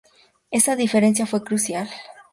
Esa diferencia fue crucial.